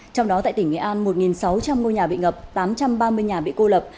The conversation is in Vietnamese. trong đó tại tỉnh nghệ an một sáu trăm linh ngôi nhà bị ngập tám trăm ba mươi nhà bị cô lập